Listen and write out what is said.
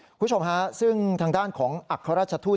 คุณผู้ชมฮะซึ่งทางด้านของอัครราชทูต